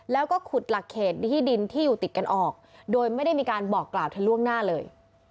แล้วก็ขุดหลักเขตที่ดินที่อยู่ติดกันออกโดยไม่ได้มีการบอกกล่าวเธอล่วงหน้าเลย